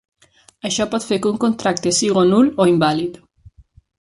Això pot fer que un contracte sigui nul o invàlid.